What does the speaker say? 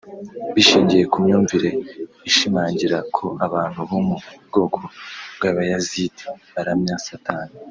bishingiye ku myumvire ishimangira ko abantu bo mu bwoko bw’ Abayazidi baramya Satani